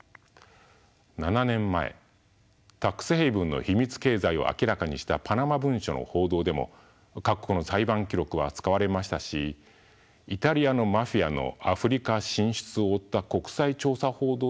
７年前タックスヘイブンの秘密経済を明らかにしたパナマ文書の報道でも各国の裁判記録は使われましたしイタリアのマフィアのアフリカ進出を追った国際調査報道でも使われました。